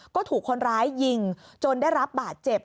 ก็ถูกคนร้ายยิงจนได้รับบาดเจ็บ